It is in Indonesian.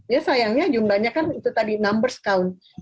ya sayangnya jumlahnya kan itu tadi numbers count